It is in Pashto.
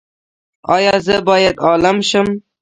ایا زه باید عالم شم؟